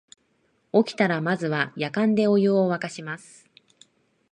起きたらまずはやかんでお湯をわかします